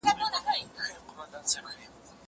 زه به سړو ته خواړه ورکړي وي!